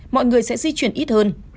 mọi người sẽ di chuyển ít hơn